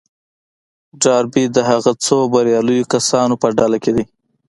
ډاربي د هغو څو برياليو کسانو په ډله کې دی.